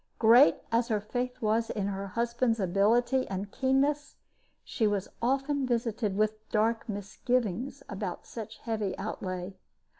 Great as her faith was in her husband's ability and keenness, she was often visited with dark misgivings about such heavy outlay.